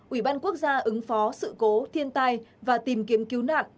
ủy ban quốc gia ứng phó sự cố thiên tai và tìm kiếm cứu nạn